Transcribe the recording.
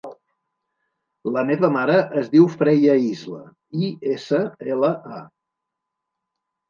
La meva mare es diu Freya Isla: i, essa, ela, a.